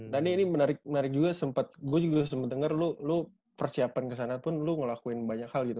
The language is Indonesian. nanti ini menarik juga sempet gue juga sempet denger lu persiapan kesana pun lu ngelakuin banyak hal gitu